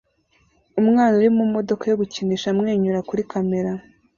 Umwana uri mumodoka yo gukinisha amwenyura kuri kamera